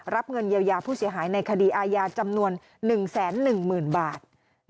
รับเงินเยียวยาผู้เสียหายในคดีอาญาจำนวน๑๑๐๐๐บาท